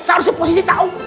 saya harusnya positi tahu